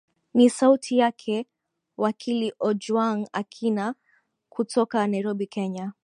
ni sauti yake wakili ojwang akina kutoka nairobi kenya